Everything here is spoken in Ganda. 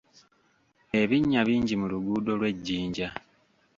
Ebinnya bingi mu luguudo lw'e Jinja.